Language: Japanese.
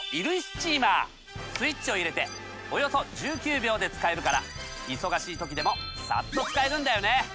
スイッチを入れておよそ１９秒で使えるから忙しい時でもサッと使えるんだよね。